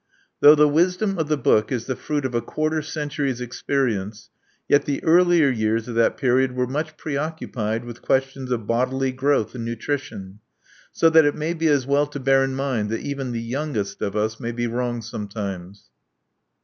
Though the wisdom of the book is the fruit of a quarter century's experience, yet the earlier years of that period were much preoccupied with questions of bodily growth and nutrition ; so that it may be as well to bear in mind that even the youngest of us may be wrong sometimes.